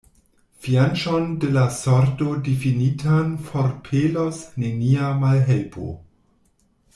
Fianĉon de la sorto difinitan forpelos nenia malhelpo.